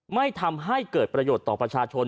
ไม่ทำให้เกิดประโยชน์ต่อประชาชน